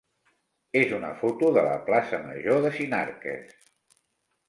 és una foto de la plaça major de Sinarques.